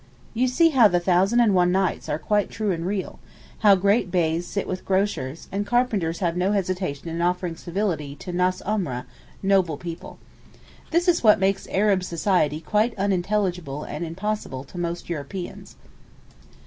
You see how the 'Thousand and One Nights' are quite true and real; how great Beys sit with grocers, and carpenters have no hesitation in offering civility to naas omra (noble people). This is what makes Arab society quite unintelligible and impossible to most Europeans.